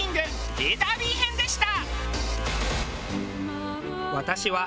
へぇダービー編でした。